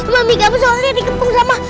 mami kamu soalnya dikepung sama